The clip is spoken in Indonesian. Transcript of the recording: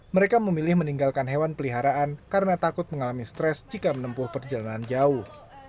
mereka memilih meninggalkan hewan peliharaan karena takut mengalami stres jika menempuh perjalanan jauh